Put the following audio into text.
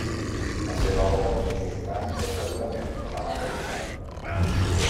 La seva obra més important és segurament la narrativa.